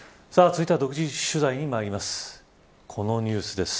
続いては独自取材にまいります。